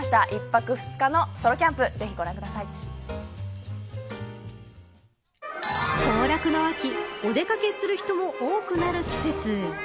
１泊２日のソロキャンプ行楽の秋お出掛けする人も多くなる季節。